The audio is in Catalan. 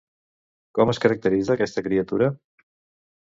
Com es caracteritza aquesta criatura?